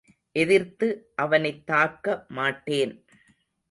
எதிர்த்து அவனைத்தாக்க மாட்டேன்.